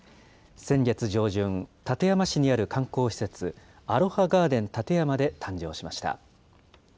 先月上旬、館山市にある観光施設、アロハガーデンたてやまで誕生しました。